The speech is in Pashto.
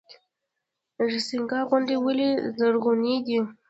رستاق غونډۍ ولې زرغونې دي؟